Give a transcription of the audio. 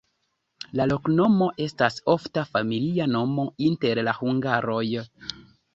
La loknomo estas ofta familia nomo inter la hungaroj.